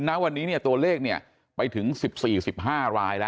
ณวันนี้เนี่ยตัวเลขเนี่ยไปถึงสิบสี่สิบห้ารายแล้ว